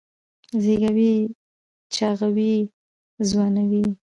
زېږوي یې چاغوي یې ځوانوي یې